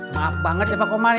maaf banget pak komar ya